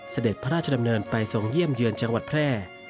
เสด็จพระราชดำเนินไปทรงเยี่ยมเยือนจังหวัดแพร่